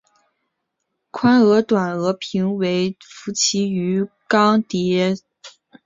宽额短额鲆为辐鳍鱼纲鲽形目鲽亚目鲆科短额鲆属的鱼类。